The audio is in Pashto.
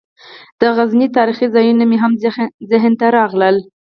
د غزني تاریخي ځایونه مې هم ذهن ته راغلل.